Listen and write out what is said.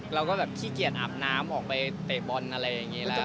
เราก็แบบขี้เกียจอาบน้ำออกไปเตะบอลอะไรอย่างนี้แล้ว